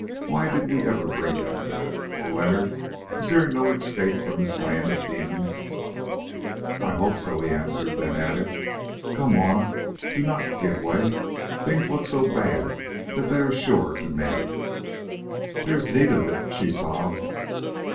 "Why did we ever bring them here? Oh! Leonard, is there no escape from this land of demons?" "I hope so," he answered; then added, "Come, Juanna, do not give way. Things look so bad that they are sure to mend." "There is need of it," she sobbed.